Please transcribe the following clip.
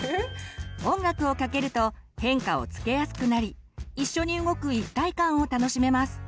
音楽をかけると変化をつけやすくなりいっしょに動く一体感を楽しめます。